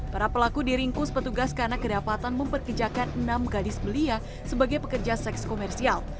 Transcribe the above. para pelaku diringkus petugas karena kedapatan memperkejakan enam gadis belia sebagai pekerja seks komersial